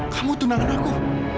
kamu tunangan aku